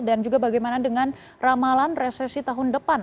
dan juga bagaimana dengan ramalan resesi tahun depan